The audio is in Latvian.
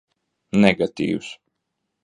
Negatīvs.